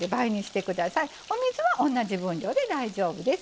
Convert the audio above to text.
お水は同じ分量で大丈夫です。